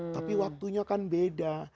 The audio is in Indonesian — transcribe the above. tapi waktunya kan beda